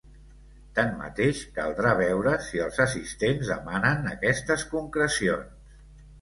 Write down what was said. Tanmateix, caldrà veure si els assistents demanen aquestes concrecions.